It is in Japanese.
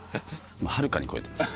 はるかに超えてます。